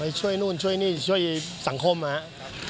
ช่วยนู่นช่วยนี่ช่วยสังคมนะครับ